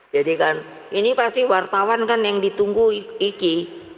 jadi kan ini pasti wartawan kan yang ditunggu ini